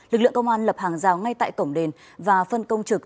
lực lượng công an lập hàng rào ngay tại cổng đền và phân công trực